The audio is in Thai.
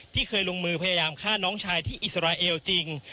เคยลงมือพยายามฆ่าน้องชายที่อิสราเอลจริง